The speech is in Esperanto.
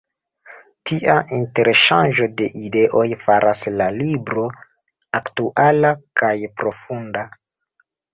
Tia interŝanĝo de ideoj faras la libro aktuala kaj profunda.